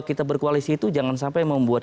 kita berkoalisi itu jangan sampai membuat